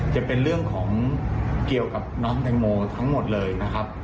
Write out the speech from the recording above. จะเป็นเรื่องของเกี่ยวกับน้องแตงโมทั้งหมดเลยนะครับ